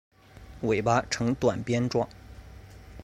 尾巴呈短鞭状。